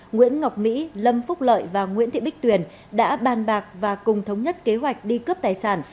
nguyễn ngọc mỹ lâm phúc lợi và nguyễn thị bích tuyền đã bàn bạc và cùng thống nhất kế hoạch đi cướp tài sản